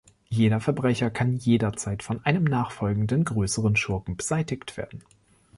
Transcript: Jeder Verbrecher kann jederzeit von einem nachfolgenden größeren Schurken beseitigt werden.